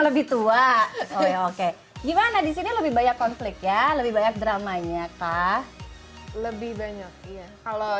lebih tua oke gimana disini lebih banyak konflik ya lebih banyak dramanya kah lebih banyak iya kalau